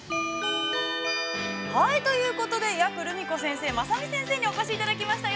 ◆はい、ということで、夜久ルミ子先生、優美先生にお越しいただきました。